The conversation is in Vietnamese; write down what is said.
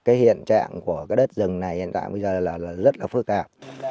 cái hiện trạng của cái đất rừng này hiện tại bây giờ là rất là phức tạp